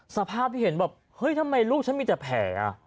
สภาพที่เห็นแบบเฮ้ยทำไมลูกฉันมีแต่แผล